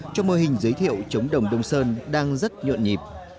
cho mô hình giới thiệu chống đồng đông sơn đang rất nhuận nhịp